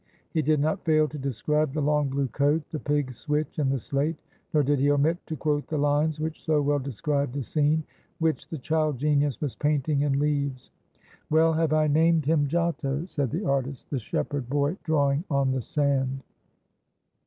He did not fail to describe the long blue coat, the pig switch, and the slate, nor did he omit to quote the lines which so well described the scene which the child genius was painting in leaves. "Well have I named him Giotto!" said the artist; "the shepherd boy drawing on the sand."